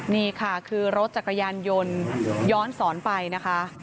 นี่ค่ะคือรถจักรยานยนต์ย้อนสอนไปนะคะ